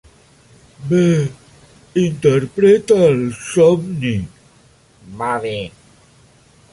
"Bé, interpreta el somni", va dir.